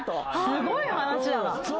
すごい話だな。